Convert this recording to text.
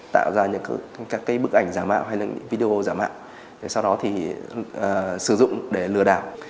tạo ra những cái bức ảnh giả mạo hay những cái video giả mạo sau đó thì sử dụng để lừa đảo